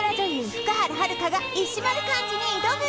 福原遥が石丸幹二に挑む！